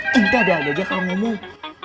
tidak ada aja kalau ngomong